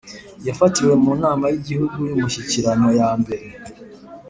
yafatiwe mu Nama y Igihugu y Umushyikirano yambere